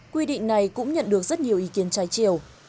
quy định này cũng nhận được rất nhiều ý kiến trái chiều